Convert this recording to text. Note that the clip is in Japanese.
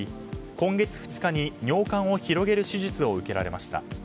今月２日に尿管を広げる手術を受けられました。